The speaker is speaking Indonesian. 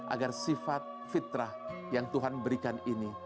agar sifat fitrah yang tuhan berikan ini